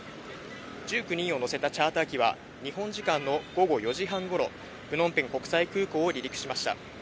１９人を乗せたチャーター機は、日本時間の午後４時半ごろ、プノンペン国際空港を離陸しました。